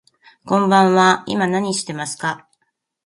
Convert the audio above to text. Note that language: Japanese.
こんばんは、今何してますか。